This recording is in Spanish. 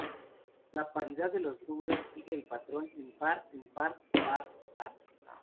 La paridad de los números sigue el patrón impar-impar-par-par.